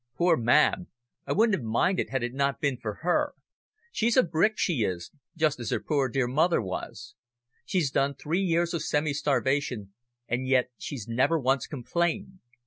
Poor Mab! I wouldn't have minded had it not been for her. She's a brick, she is, just as her poor dear mother was. She's done three years of semi starvation, and yet she's never once complained.